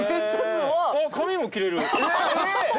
髪も切れる。